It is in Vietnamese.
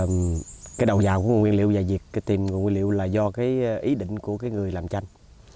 thì cái đầu vào của nguồn nguyên liệu và việc tìm nguồn nguyên liệu là do ý định của người làm tranh